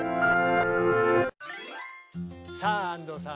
さあ安藤さん